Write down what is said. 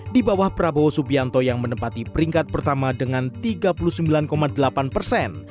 di bawah prabowo subianto yang menempati peringkat pertama dengan tiga puluh sembilan delapan persen